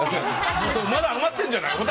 まだ余ってるんじゃない？